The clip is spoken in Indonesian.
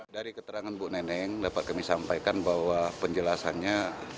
dari keterangan bu neneng dapat kami sampaikan bahwa penjelasannya